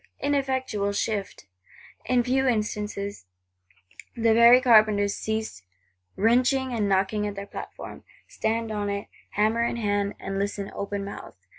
Ineffectual shift! In few instants, the very carpenters cease wrenching and knocking at their platform; stand on it, hammer in hand, and listen open mouthed.